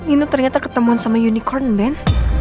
ini ternyata ketemuan sama unicorn ben